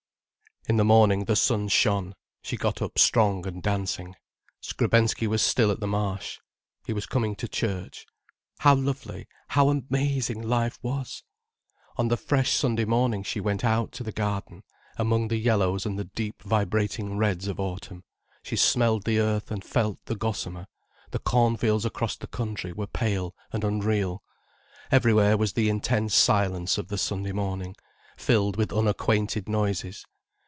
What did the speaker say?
In the morning the sun shone, she got up strong and dancing. Skrebensky was still at the Marsh. He was coming to church. How lovely, how amazing life was! On the fresh Sunday morning she went out to the garden, among the yellows and the deep vibrating reds of autumn, she smelled the earth and felt the gossamer, the cornfields across the country were pale and unreal, everywhere was the intense silence of the Sunday morning, filled with unacquainted noises.